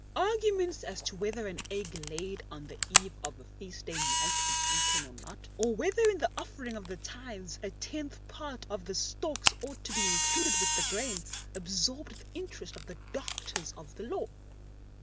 Arguments as to whether an egg laid on the eve of a feast day might be eaten or not, or whether in the offering of the tithes a tenth part of the stalks ought to be included with the grain, absorbed the interest of the Doctors of the Law.